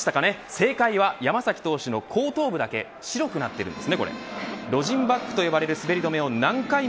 正解は、山崎投手の後頭部だけ白くなっているんです。